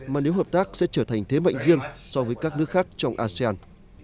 mà nếu hợp tác sẽ trở thành thế mạnh riêng so với các nước khác trong asean